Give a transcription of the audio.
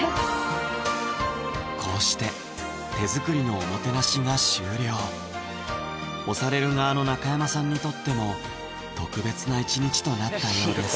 こうして手作りのおもてなしが終了推される側の中山さんにとっても特別な一日となったようです